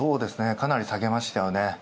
かなり下げましたよね。